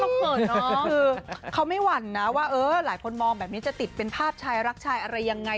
คือเขาไม่หวั่นนะว่าเออหลายคนมองแบบนี้จะติดเป็นภาพชายรักชายอะไรยังไง